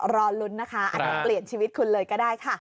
รอลุ้นนะคะอันนั้นเปลี่ยนชีวิตคุณเลยก็ได้ค่ะ